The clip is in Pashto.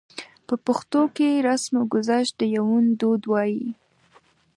په پښتو کې رسمګذشت ته يوندود وايي.